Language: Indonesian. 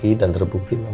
udah udah pulang